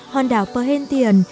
hòn đảo perhentian